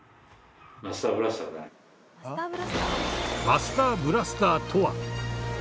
マスターブラスターとは。